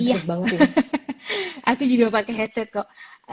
iya aku juga pakai headset kok